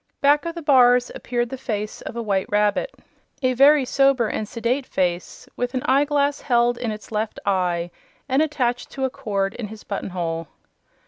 Back of the bars appeared the face of a white rabbit a very sober and sedate face with an eye glass held in his left eye and attached to a cord in his button hole.